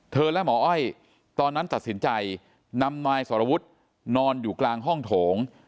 และหมออ้อยตอนนั้นตัดสินใจนำนายสรวุฒินอนอยู่กลางห้องโถง